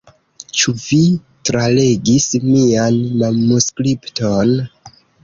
Ĉu vi tralegis mian manuskripton?